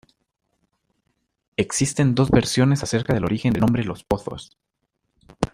Existen dos versiones acerca del origen del nombre Los Pozos.